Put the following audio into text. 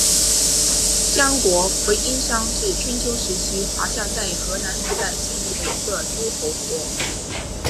江国为殷商至春秋时期华夏在河南一带建立的一个诸侯国。